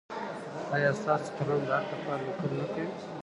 ایا ستاسو قلم د حق لپاره لیکل نه کوي؟